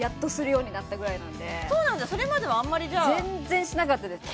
それまではあんまりじゃあ全然しなかったです